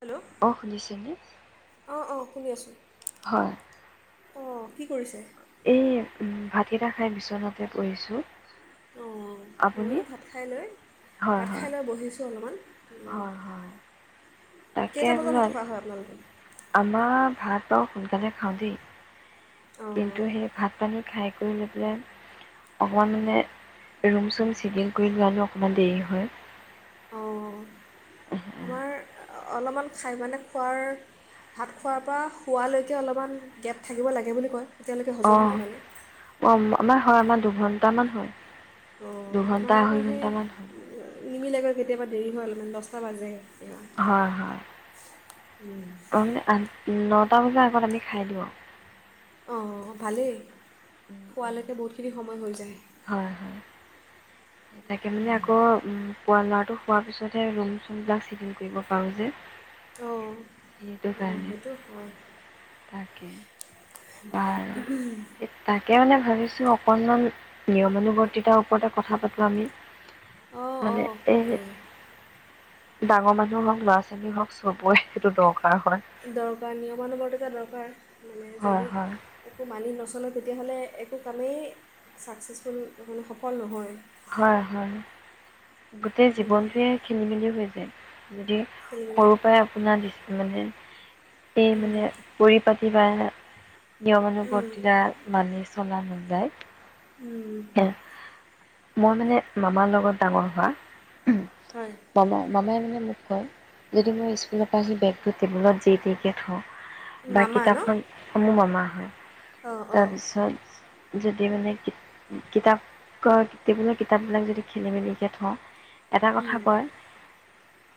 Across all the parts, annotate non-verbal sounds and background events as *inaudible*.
Hello অ' শুনিছেনে? অঁ অঁ শুনি আছোঁ। হয়। অ' কি কৰিছে? এই, উম ভাতকেইটা খাই বিচনাতে পৰিছোঁ। অ' আপুনি? ময়ো ভাত খাই লৈ, হয়, ভাত হয়, খাইলৈ বহিছোঁ অলমান, উম হয়, হয়। তাকে কেইটা বজাত বোলো ভাত খোৱা হয় আপোনালোকৰ? অ' সোনকালে খাওঁ দেই। কিন্তু অঁ সেই ভাত পানীত, খাই কৰি লৈ পেলাই অকণমান মানে ৰুম চুম চিজিল কৰি লোৱালো অকণমান দেৰি হয়। অ' আমাৰ, অলপমান খাই মানে খোৱাৰ ভাত খোৱাৰ পৰা শোৱালৈকে অলপমান গেপ থাকিব লাগে বুলি কয়। তেতিয়ালৈকে হজম হয় মানে অ' অ আমাৰ হয় আমাৰ দুঘণ্টামান হয়। অ' দুঘণ্টা আমাৰ আঢ়ৈ আকৌ সেই, ঘণ্টামান হয়। নিমিলে গৈ কেতিয়াবা দেৰি হয় অলপমান দছটা বাজে। কেতিয়াবা অ আন নটা বজাৰ আগত আমি খাই দিওঁ আও অ ভালেই। খোৱালেকে বহুতখিনি সম ময় হৈ যায়। হয়, হয়। তাকে মানে আকৌ- শুৱা ল'ৰাটো শুৱা পিছতহে ৰুম, চুম বিলাক চিজিল কৰিব পাৰো যে। অঁ, সেইটো অঁ সেইটো হয়। কে বাৰু, তাকে মানে- ভাবিছোঁ অকণমান- নিয়মানুবৰ্তিতাৰ ওপৰতে কথা পাতোঁ আমি। অঁ, মানে, অঁ এই- পাৰি। ডাঙৰ মানুহৰ হওক, ল'ৰা- ছোৱালী হওক, চবৰে সেইটো দৰকাৰ- হয় দৰকাৰ, নিয়মানুবৰ্তিতা দৰকাৰ। মানে, হয় যদি হয় একো মানি নচলে- কিয়নো তেতিয়াহ'লে একো কামেই চাকচেছফুল মানে সফল নহয়। হয়, হয়। গোটেই উম, জীৱনটোয়ে খেলি, মেলি হৈ যায়। যদি খেলিমেলি সৰু, পৰাই আপোনাৰ দি মানে- এই উম, মানে পৰি -পা দিবহি ন'। উম, নিয়ম *unintelligible* মানি চলা দুটাই উম। মই মানে, মামাৰ লগত ডাঙৰ হোৱা। হয়। মামা, মামাই মানে মোক কয়, যদি মই স্কুলৰ পৰা আহি বেগটো টেবুলত জি তি কে থওঁ। বা' মামা ন? কিতাপখন, মোৰ মামা হয়। অঁ, অঁ, তাৰপিছত যদি মানে কিতাপ টেবুলত কিতাপ বিলাক যদি খেলি মেলিকৈ থওঁ। এটা কথা উম, কয়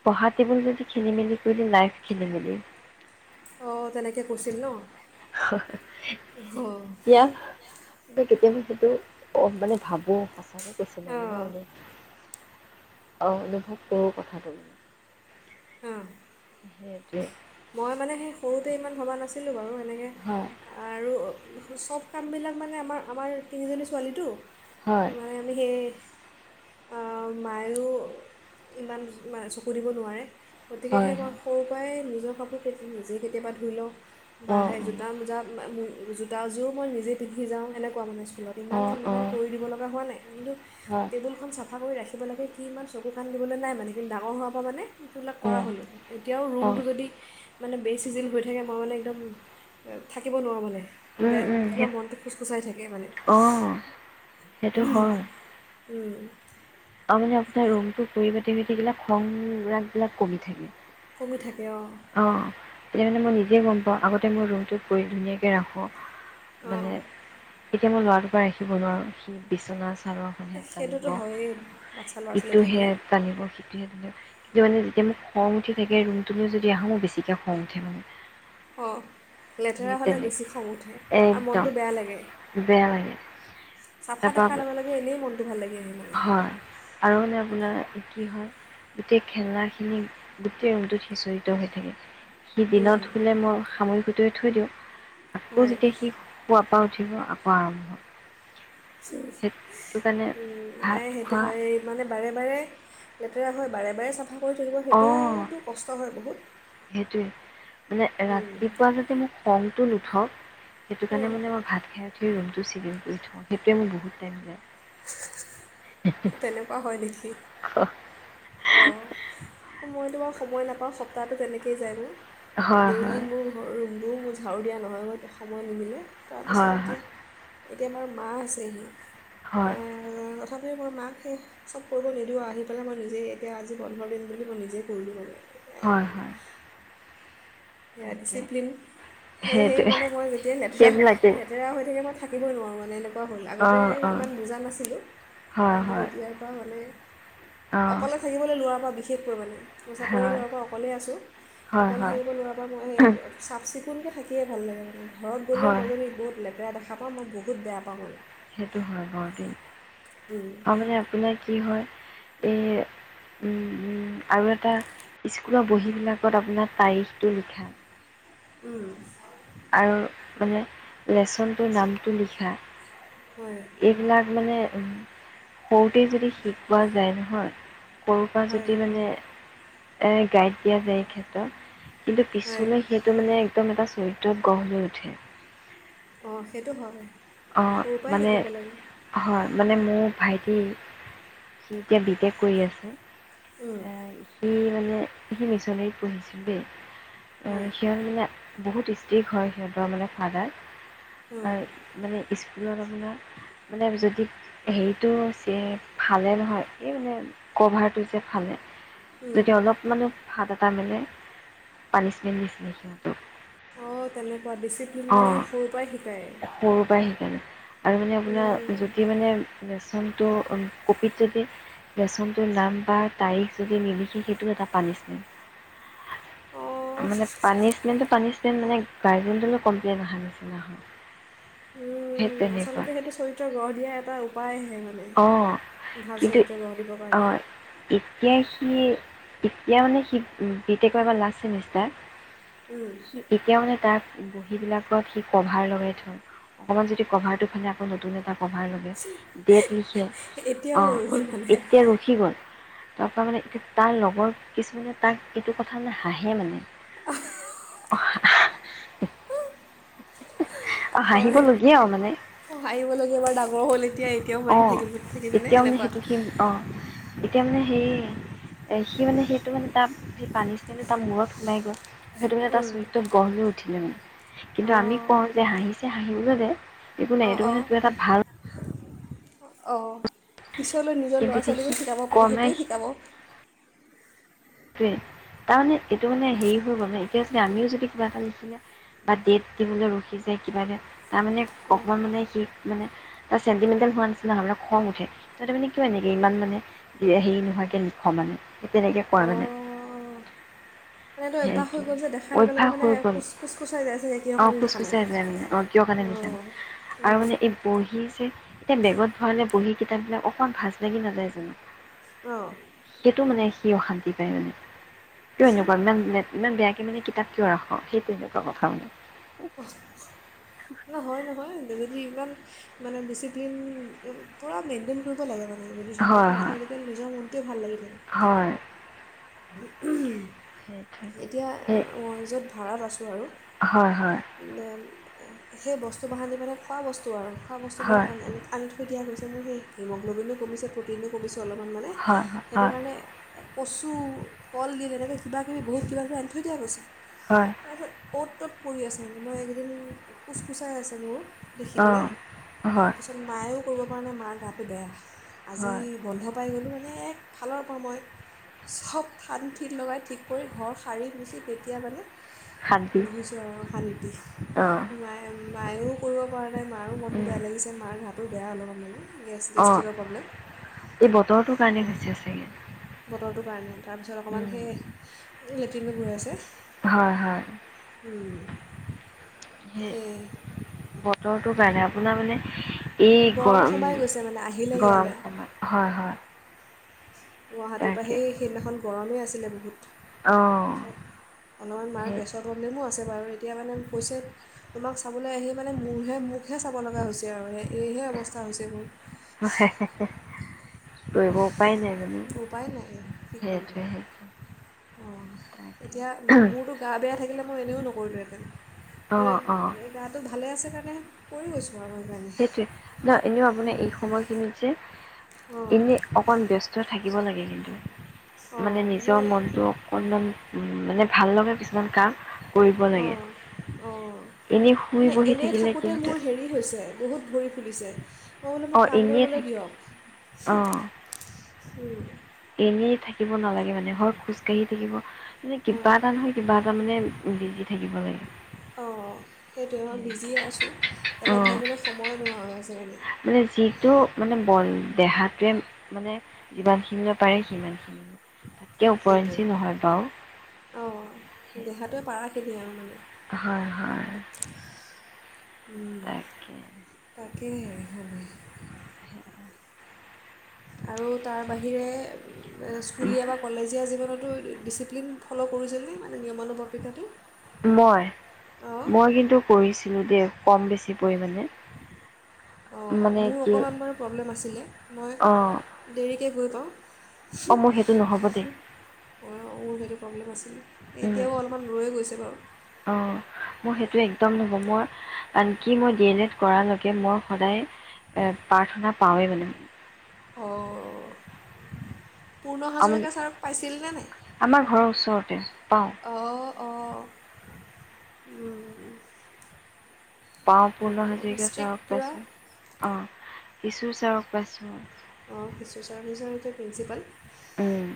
পঢ়া টেবুল যদি খেলি মেলি কৰিলে, লাইফ খেলি মেলি। অ' তেনেকৈ কৈছিল ন'? অঁ, এতিয়া কেতিয়াবা সেইটো মানে ভাবোঁ, সঁচাকৈ বেছি মানে অঁ, ন'। অ', অনুভৱ কৰোঁ কথাটো। অহ। উম। মই মানে সেই সৰুতে ইমান ভবা নাছিলো বাৰু এ তেনেকৈ হয় আৰু চব কামবিলাক মানে আমাৰ, আমাৰ তিনিজনী ছোৱালীটো। হয় মানে আমি সেই অ', মায়ো ইমান মানে চকু দিব নোৱাৰে। গতিকে হয় সেই ক হয় সৰুৰ পৰাই নিজক ফ্ৰকটো নিজেই কেতিয়াবা ধুই লওঁ। বা অঁ সেই অঁ জোতা মোজা মম দুযোৰ জোটাযোৰ মই নিজেই পিন্ধি যাওঁ সেনেকুৱা মানে। ইমান, অঁ ইমান অঁ কৰি দিব লগা হোৱা নাই কিন্তু হয় টেবুলখন চাফা কৰি ৰাখি কৰিব লাগে কি ইমান চকু কান দিবলৈ নাই মানে কিন্তু ডাঙৰ হোৱাৰ পৰা মানে সেইবিলাক কৰা অঁ হ'লো এতিয়াও অঁ ৰুমটো যদি মানে বেচিজিল হৈ থাকে মই মানে একদম থাকিব নোৱাৰোঁ মানে। বে, সেই কিবা মনতো কুচকুচাই থাকে মান অঁ সেইটো হয় উম। আৰু মানে আপোনাৰ ৰুমটো পৰিপাতি হৈ থাকিলে খং, ৰাগবিলাক কমি থাকে। কমি থাকে অ'। তেতিয়া মানে মই নিজে গম পাওঁ, আগতে মই ৰুমটোত পৰি ধুনীয়াকে ৰাখোঁ। অঁ মানে এতিয়া মই ল'ৰাটোৰ পৰা ৰাখিব নোৱাৰোঁ, সি বিচনা চাদৰ খনহে এই টানিব। সেইটোতো হয়েই বাচ্ছা ল'ৰা ছোৱালী ইটোহে থাকিলে টানিব, সিটোহে টানিব। মানে যেতিয়া মোক খং উঠি থাকে ৰুমটো লৈ যদি আহোঁ, মোৰ বেছিকে খং উঠে মানে। অ', সেই লেতেৰা হ'লে তেনে বেছি খং উঠে, আৰু একদম মনটো বেয়া লাগে। বেয়া লাগে চাফা তাৰপৰা দেখাৰ লগে, লগে এনেই মনটো ভাল লাগি আহে *unintelligible* হয়, আৰু মানে আপোনাৰ কি হয়, গোটেই খেলাখিনি গোটেই ৰুমটোত সিঁচৰিত হৈ থাকে। সি দিনত শুলে মই সামৰি সো থৈ দিওঁ। আকৌ হয় যেতিয়া সি শুৱা শুৱাপা উঠিব আকৌ আৰম্ভ। সেইটো কাৰণে ভাত নাই সেইটো খোৱা হয় মানে বাৰে বাৰে লেতেৰা হয়, বাৰে বাৰে চাফ চাফা কৰি থাকিব অঁ সেইটোতো কষ্ট হয় বহুত। সেইটোৱে মানে ৰাতিপুৱা যাতে মোক খংটো নু থওঁ। সেইটো অঁ কাৰণে মানে মই ভাত খাই উঠি সেই ৰুমটো চিজিল কৰি থওঁ, সেইটোৱে মোৰ বহুত টাইম যায়। তেনেকুৱা হয় নেকি? অ'। সময়টো বাৰু সময় নাপাওঁ সপ্তাহটো তেনেকৈয়ে যায় মোৰ। হয় ডেইলি হয় মোৰ ঘৰ ৰুম ৰুম ঝাৰু দিয়া নহয় *unintelligible* সময় নিমিলে। তাৰপিছত হয় হয় এতিয়া এতিয়া আমাৰ মা আছেহি। হয়। তথাপিও মই মাক সেই চব কৰিব নিদিওঁ আহি পেলাই মই নিজে এতিয়া আজি বন্ধৰ দিন বুলি মই নিজেই কৰিলোঁ বাৰু। হয় হয়। সেয়া তাকে ডিচিপ্লিন সেয়েহে সেইটোৱে মানে মই যেতিয়াই লেতেৰা সেইবিলাকেই লেতেৰা হৈ থাকে মই থাকিবই নোৱাৰোঁ মানে এনেকুৱা হ'ল আগতে অ', অ', ইমান বুজা নাছিলোঁ হয়, কিন্তু হয়, যেতিয়াৰ পৰা মানে অ', অকলে থাকিবলৈ লোৱাৰ পৰা বি শেষ কৰিব নোৱাৰি। মই চাকৰি হয়, হোৱাৰ পৰা অকলেই আছোঁ হয়, অকলে হয়। থাকিব নোৱাৰা মই সেইবোৰ চাফ চিকুণকে থাকিয়ে ভাল লাগে মানে। ঘৰত গ'লেও হয়, মই যদি বহুত লেতেৰা দেখা তাৰপা মই বহুত বেয়া পাওঁ মানে। সেইটো হয় বৰদিন আও মানে আপোনাৰ কি হয়। এই, উম উম, আৰু এটা স্কুলৰ বহীবিলাকত আপোনাৰ তাৰিখটো লিখা। উম। আৰু মানে লেচনটোৰ নামটো লিখা। হয় এইবিলাক মানে উম, সৰুতেই যদি শিকোৱা যায় নহয় সৰুৰ পৰা হয় যদি মানে এ গাই ইড যায় এই ক্ষেত্ৰত, কিন্তু হয় পিছলৈ সেইটো মানে একদম এটা চৰি ত্রত গঢ় লৈ উঠে। অ', সেইটো হয়। অ', সৰুৰ পৰাই মানে শিকাব লাগে হয়। মানে মোৰ ভাইটি, সি এতিয়া বি টেক কৰি আছে উম, এ, সি মানে, সি মিছনেৰিত পঢ়িছিল দেই। অ', হয় সিহঁতবিলাক বহুত ষ্টিক হয় সিহঁতৰ মানে ফাডাৰ হম। স্কুলত আপোনাৰ মানে যদি হেৰিটো চে ফালে নহয় এই মানে কভাৰটো যে ফালে উম। তাকে অলপ মানে ফাতা তাৰমানে পানিছমেণ্ট দিছিলে সিহঁতক। অ তেনে কোৱা ডিচিপ্লিন মানেহে অ' সৰুৰ পৰাই শিকায়। সৰুৰ পৰাই শিকালোঁ আৰু মানে আপোনাৰ উম, জুতি মানে লেছনটো কপিত যদি লেছনটো নাম বা তাৰিখ যদি নিলিখি সেইটো এটা পানিছমেণ্ট। অঁ মানে পানিচমেণ্ট পানি মানে তাইবে কমপ্লেইন অহাৰ নিচিনা হয়। সেই উম তেনেকুৱা আচলতে সেইটো চৰিত্ৰ গঢ় দিয়া এটা উপায়। অ কিন্তু দিবৰ কাৰণে অঁ এতি স এতিয়া মানে সি বি টেকৰ মানে লাচ্ছত চেমিষ্টাৰ। উম, এতিয়া মানে তাক বহী বিলাকত সি কভাৰ লগাই থওঁ অকণমান যদি কভাৰটো ফালে আকৌ নতুন এটা সভাৰ বাবে ডেট লিখে এতিয়াও অঁ ৰৈ গ'ল মানে এতিয়া ৰখি গ'ল। *unintelligible* তাৰ লগৰ কিছুমানে তাক এইটো কথা লৈ হাঁহে মানে। আৰু হাঁহিবলগীয়াও মানে অ-অ হাঁহিবলগীয়া ডাঙৰ হ'ল এতিয়া এতিয়াও অ মানি থাকিব থাকি পিনে এতিয়াও মানে এনেকুৱা সেইটো স অ এতিয়া মানে সেই এ সি মানে সেইটো মানে তাৰ সেই পনিচমেনত তো তাৰ মূৰত সোমাই গ'ল। সেইটো এটা উম, ছুইটোত গঢ় ল উঠিলে। কিন্তু আমি অঁ কওঁ যে হাঁহিছে হাঁহিব *unintelligible* একো নাই অঁ এইটো মানে অঁ এটা ভাল অঁ। পিছলৈ নিজৰ কিন্তু ল'ৰা এতিয়া সি ছোৱালীবোৰ শিকাব পাৰে কমে সেইটোৱে শিকাব। ওম তাৰমানে এইটো মানে হেৰি হৈ গ'ল মানে এতিয়া যদি আমিও যদি কিবা এটা লিখিলে বা ডেট দিবলৈ ৰখি যায় কিবা এটা তাৰমানে অঁ অকণমান মানে সি মানে তাৰ চেণ্টিমেণ্টেল হোৱা নাছিলি নলে খং উঠে ত তাৰ মানে কিয় এনেকৈ ইমান মানে হেৰি নোহোৱাকৈ লিখওঁ মানে সেই তেনেকৈ পোৱা মনেই অঁ মানে এইটো সে অভ্যাস হৈ গ'ল যে দেখাৰ টো লগে লগে অভ্য়াস মানে হৈ গল কোচ কোচ কোচাই যায় চাগে কিহৰ অ খোচ কাৰণে খোচ লিখা নাই খোচাই যায় মানে অ কিয় কাৰণে লিখা অঁ নায় আৰু মানে এই বহী যে এতিয়া বেগত ভৰালে বহী কিতাপবিলাক অকণমান ভাজ লাগি নাযায় জানো অঁ। সেইটো মানে সি অশান্তি *unintelligible* কিয় এনেকুৱা ইমান বেয়া ত মানে কিতাপ কিয় ৰাখোঁ সেই তেনেকোৱা কথা মানে। অহ হয় নহয় সিইমান ইমান ডিচিপ্লিন পূৰা মেইনটেইন কৰিব লাগে মানে। যদি হয় ধুনীয়াকৈ হয় ৰাখে তেতিয়াহলে নিজৰ মনটোৱে ভাল লাগিলে হয় থাকে। উম। সেইটোৱে এতিয়া সেই য'ত ভাড়াত আছোঁ আৰু হয় হয় সেই বস্তু। বাহানি মানে খোৱা বস্তু আৰু। খোৱা বস্তু বহুত হয় আনি থৈ দিয়া গৈছে। মোৰ এই হিমগ্লবিনো কমিছে প্ৰটিনো কমিছে। অলপমানে হয় সেইটো হয় কাৰণে। কচু, কল দিল এনেকে কিবা। বহুত কিবা কিবি আনি থৈ দিয়া গৈছেঁ। হয় তাৰপিছত অট তট। পৰি আছে মানে, মই এইকেইদিন কোচকোচাই আছে মোৰ। দেখি অঁ পেলাই হয় তাৰপিছত মায়ে কৰিব। কাৰণে মাৰ গাটো বেয়া। আজি হয় বন্ধ পাই গ'লো মানে। এক ফালৰ পৰা মই চব ঠান থিত লগাই ঠিক। কৰি ঘৰ সাৰি মচি তেতিয়া মানে। শান্তি বহিছোঁ আৰু শান্তি, অঁ মায় মায়ো। কৰিব পৰা নাই মাৰো মনটো বেয়া লাগিছে মাৰ গাত তো বেয়া অলপ মানে। গেছ অ, গেষ্ট্ৰিকৰ প্ৰব্লেম এই বতৰটো কাৰনে হৈছে চাগে। বতৰটোৰ কাৰনে। তাৰপিছত অকণমান উম সেই লেট্ৰিনো গৈ আছে। হয় হয়। উম। সেই বতৰটোৰ কাৰণে আপোনাৰ মানে এই গৰম, সোমাই গৈছে মানে আহিলে গৰম ইয়ালৈ সময়। হয় হয়। গুৱাহাটীৰ পৰা। তাকে সেই সেইদিনাখন গৰমেই আছিলে অঁ বহুত। অলপমান মাৰ সেই গেছৰ প্ৰব্লেমও আছে। আৰু এতিয়া মানে কৈছে, তোমাক চাবলৈ আহি মানে মোৰহে মোকহে চাব লগা হৈছে আৰু সেই এইয়েহে অৱস্থা হৈছে মোৰ। কি কৰিব? উপায় নাই। মানে উপায় নাই কি কৰিব, সেইটোৱে সেইটোৱে অ', তাকে। এতিয়া মোৰতো গা বেয়া থাকিলে মই এনেও নকৰিলোঁহেঁতেন, অ', অ', গাটো ভালে আছে কাৰণেহে কৰি গৈছ সেইটোৱে ন! এনেও অঁ আপোনাৰ এই সময়খিনিত যে, অঁ এনে অকন ব্যস্ত থাকিব লাগে। *unintelligible* মানে অঁ নিজৰ মই মনটো অকনমান উম, মানে ভাল লগা কিছুমান কাম কৰিব লাগে। অঁ অঁ এনেই শুই, মানে বহি এনেই থাকিলে থাকোঁতে কিন্তু মোৰ হেৰি হৈছে বহুত ভৰি ফুলিছে। মই বোলোঁ মোক অ', কাম এনেই কৰিবলৈ থাক দিয়ক। অ', উম। এনেই থাকিব নালাগে মানে হয়, খোজকাাঢ়ি থাকিব মানে কিবা অঁ এটা নহয় কিবা তাৰমানে বিজি থাকিব লাগে। অ', সেইটোৱে মই বিজিয়ে আছোঁ। বেলেগ অ', ভাবিবলৈ সময় নোহোৱা হৈ আছে মানে। যিটো মানে বল দেহাটোৱে মানে যিমানখিনি পাৰে সিমানখিনি, তাতকৈ সেইটোৱে উপৰিঞ্চি নহয় বাৰু। অঁ দেহাটোৱে পাৰাখিনি আৰু মানে হয় হয় উম তাকে তাই কে হয়নে? *inaudible* আৰু তাৰ বাহিৰে এ স্কুলীয়া বা কলেজীয়া জীৱনতো ডিচিপ্লিন ফ'ল' কৰিছিল নে? মানে, নিয়মানুবৰ্তিতাটো। মই, মই কিন্তু কৰিছিলো‌ দেই, কম বেছি পৰিমাণে। অ', মানে মোৰ কি অকণমান বাৰু প্ৰব্লেম আছিলে। মই অঁ দেৰিকে গৈ পাওঁ। অ' অঁ মোৰ সেইটো নহ'ব দেই সেইটো প্ৰব্লেম আছিলে, উম এতিয়াও অলপমান ৰৈ গৈছে বাৰু। অঁ মোৰ সেইটো একদম ন'হব, মই, আনকি মই ডি এল এড কৰালৈকে মই সদায় এ প্ৰাৰ্থনা পাওঁৱে মানে। অ'। পূৰ্ণ আম হাজৰিকা ছাৰক আমাৰ পাইছিলনে ঘৰৰ ওচৰতে নাই? পাওঁ অ' অ' উম উম। পাওঁ, পূৰ্ণ হাজৰিকা ষ্ট্ৰিক্ট ছাৰক পূৰা পাইছো। অ'। কিশো ছাৰক পাইছোঁ। অ', কিশো ছাৰ হৈছে এতিয়া প্ৰিন্সিপাল। উম,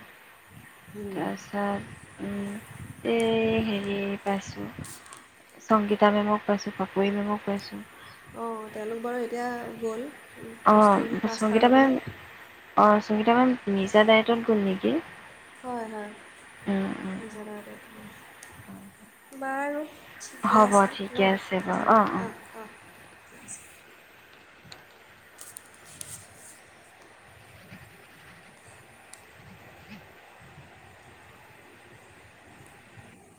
তাৰপিছত উম, এই হেৰি পাইছোঁ সংগীত। নিতা মে'মক পাইছোঁ, পাপৰি মে'মক পাইছোঁ। অ', তেওঁলোক বাৰু এতিয়া গ'ল। পষ্টিং অ', ট্ৰান্সফাৰ সংগীতা হৈ মেম পেলাই অ', চ তিনিটামান নিজা দায়ত্বত গ'ল নেকি? কি? হয়, হয় নিজাদায়ত্বত উম, বাৰু ঠিকে হ'ব আছে ঠিকে ন' আছে বাৰু আজিলৈ, অঁ অঁ অ', অ'। *inaudible*